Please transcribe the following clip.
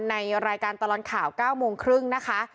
ในรายการตลอดข่าว๙โมงครึ่งนะคะ